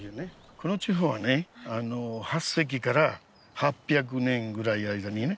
この地方はね８世紀から８００年ぐらい間にね